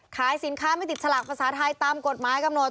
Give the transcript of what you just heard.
ขายสินค้าไม่ติดฉลากภาษาไทยตามกฎหมายกำหนด